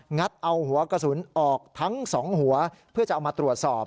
ัดเอาหัวกระสุนออกทั้งสองหัวเพื่อจะเอามาตรวจสอบ